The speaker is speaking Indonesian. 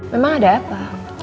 memang ada apa